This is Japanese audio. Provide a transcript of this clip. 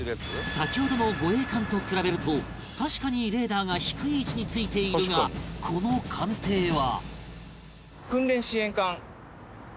先ほどの護衛艦と比べると確かにレーダーが低い位置に付いているがこの艦艇は